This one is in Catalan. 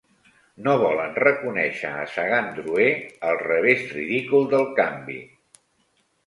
No volen reconèixer a Sagan-Drouet el revés ridícul del canvi.